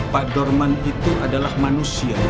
pak dorman itu adalah manusia